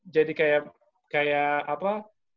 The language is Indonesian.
jadi kayak kayak apa